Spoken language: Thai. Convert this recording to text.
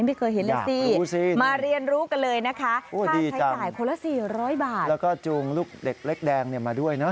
ไม่เคยเห็นเลยสิมาเรียนรู้กันเลยนะคะค่าใช้จ่ายคนละ๔๐๐บาทแล้วก็จูงลูกเด็กเล็กแดงเนี่ยมาด้วยนะ